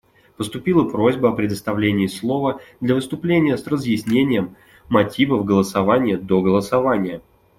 Поступила просьба о предоставлении слова для выступления с разъяснением мотивов голосования до голосования.